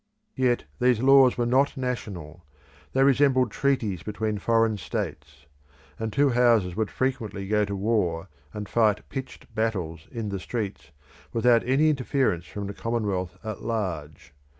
Yet these laws were not national; they resembled treaties between foreign states; and two houses would frequently go to war and fight pitched battles in the streets without any interference from the commonwealth at large.